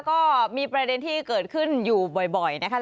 ก็มีประเด็นที่เกิดขึ้นอยู่บ่อยนะคะ